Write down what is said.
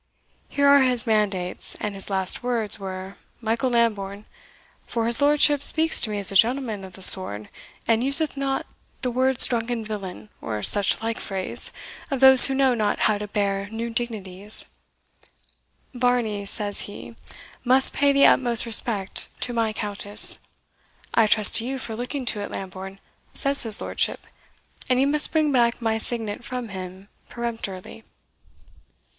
Here are his mandates, and his last words were, Michael Lambourne for his lordship speaks to me as a gentleman of the sword, and useth not the words drunken villain, or such like phrase, of those who know not how to bear new dignities Varney, says he, must pay the utmost respect to my Countess. I trust to you for looking to it, Lambourne, says his lordship, and you must bring back my signet from him peremptorily."